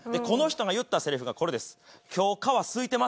この人が言ったセリフがこれです。